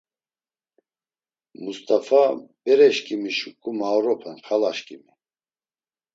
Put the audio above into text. Must̆afa, bereşǩimi şuǩu maoropen xalaşǩimi!